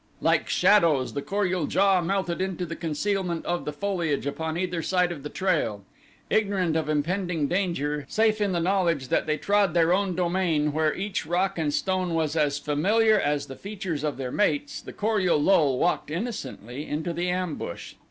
Like shadows the Kor ul JA melted into the concealment of the foliage upon either side of the trail. Ignorant of impending danger, safe in the knowledge that they trod their own domain where each rock and stone was as familiar as the features of their mates, the Kor ul lul walked innocently into the ambush.